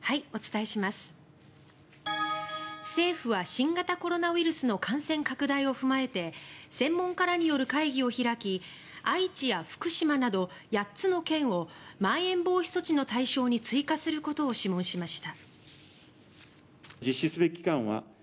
政府は新型コロナウイルスの感染拡大を踏まえて専門家らによる会議を開き愛知や福島など８つの県をまん延防止措置の対象に追加することを諮問しました。